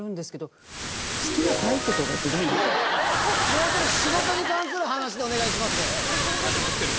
もうちょっと仕事に関する話でお願いします。